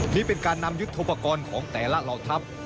นี่เป็นการนำยึดธุปกรณ์ของแต่ละรอทัพ